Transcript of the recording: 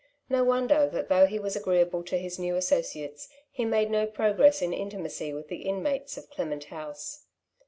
No wonder that though he was agreeable to his new associates, he made no progress in intimacy with the inmates of " Clement House.'